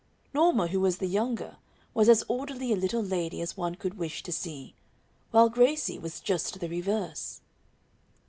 Norma, who was the younger, was as orderly a little lady as one could wish to see, while Gracie was just the reverse.